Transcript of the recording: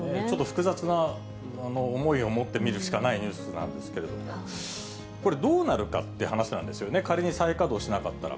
複雑な思いを持って見るしかないニュースなんですけど、これ、どうなるかって話なんですよね、仮に再稼働しなかったら。